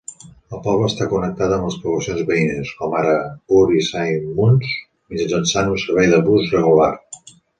El poble està connectat amb les poblacions veïnes, com ara Bury Saint Edmunds, mitjançant un servei de bus regular.